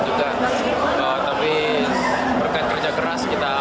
tapi berkat kerja keras kita alhamdulillah diberi kemenangan itu